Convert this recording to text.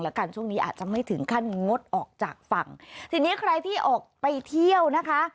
แล้วกันช่วงนี้อาจจะไม่ถึงขั้นงดออกจากฝั่งทีนี้ใครที่ออกไปเที่ยวนะคะ